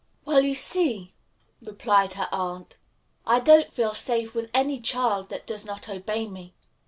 "Well, you see," replied her aunt, "I don't feel safe with any child that does not obey me.